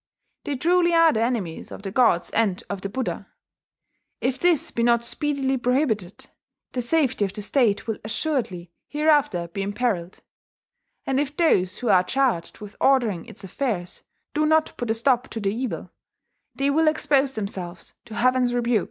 They truly are the enemies of the gods and of the Buddha.... If this be not speedily prohibited, the safety of the state will, assuredly hereafter be imperilled; and if those who are charged with ordering its affairs do not put a stop to the evil, they will expose themselves to Heaven's rebuke.